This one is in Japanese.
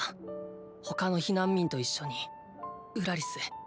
他の避難民と一緒にウラリスへ。